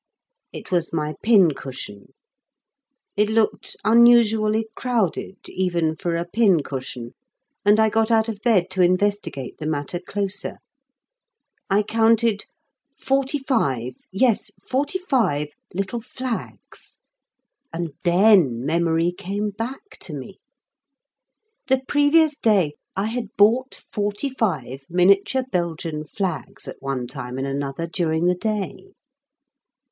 It was my pin cushion. It looked unusually crowded even for a pin cushion, and I got out of bed to investigate the matter closer. I counted forty five yes, forty five little flags, and then memory came back to me. The previous day I had bought forty five miniature Belgian flags at one time and another during the day.